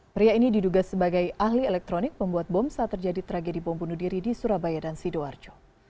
pria ini diduga sebagai ahli elektronik pembuat bom saat terjadi tragedi bom bunuh diri di surabaya dan sidoarjo